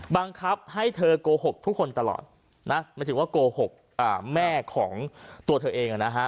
บังคับให้เธอโกหกทุกคนตลอดนะหมายถึงว่าโกหกแม่ของตัวเธอเองนะฮะ